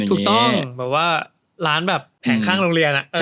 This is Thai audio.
ถูกต้องร้านแผ่งข้างโรงเรียน